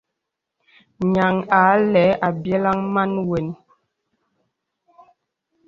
Nyaŋ a lɛ̂ àbyə̀laŋ màn wən.